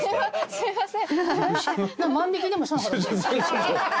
すいません。